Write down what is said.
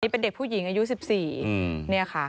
เป็นเด็กผู้หญิงอายุ๑๔นี่ค่ะ